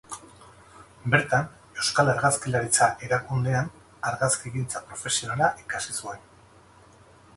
Bertan Euskal Argazkilaritza Erakundean argazkigintza profesionala ikasi zuen.